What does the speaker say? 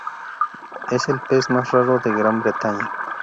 Es el pez más raro de Gran Bretaña.